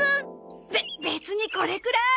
べ別にこれくらい。